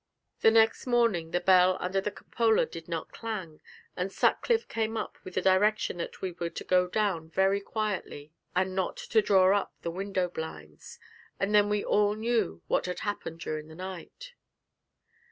The next morning the bell under the cupola did not clang, and Sutcliffe came up with the direction that we were to go down very quietly, and not to draw up the window blinds; and then we all knew what had happened during the night.